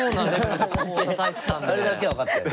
あれだけは分かったよね。